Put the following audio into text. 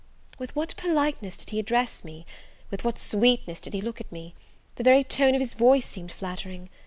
With what politeness did he address me! with what sweetness did he look at me! the very tone of his voice seemed flattering!